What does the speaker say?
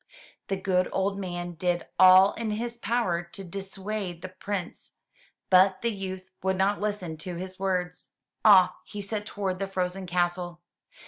*' The good old man did all in his power to dissuade the Prince, but the youth would not listen to his words. Off he set toward the frozen castle.